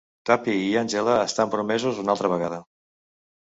Tuppy i Angela estan promesos una altra vegada.